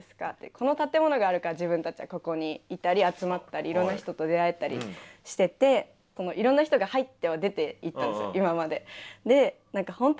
この建物があるから自分たちはここにいたり集まったりいろんな人と出会えたりしてていろんな人が入っては出ていったんですよ今まで。